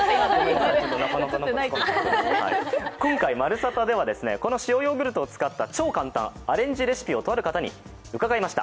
今回、「まるサタ」ではこの塩ヨーグルトを使った超簡単アレンジレシピをとある方に伺いました。